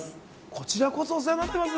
こちらこそ、お世話になってます。